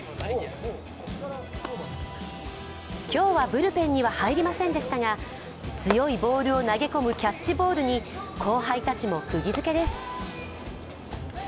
今日はブルペンには入りませんでしたが強いボールを投げ込むキャッチボールに後輩たちもくぎづけです。